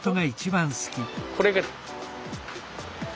これが。